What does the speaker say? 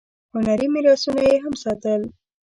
هنري میراثونه یې هم ساتل.